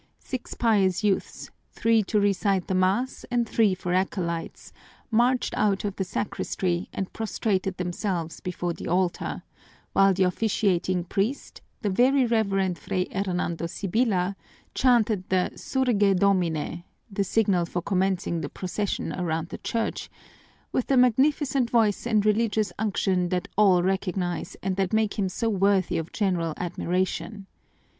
Six pious youths, three to recite the mass and three for acolytes, marched out of the sacristy and prostrated themselves before the altar, while the officiating priest, the Very Reverend Fray Hernando Sibyla, chanted the Surge Domine the signal for commencing the procession around the church with the magnificent voice and religious unction that all recognize and that make him so worthy of general admiration.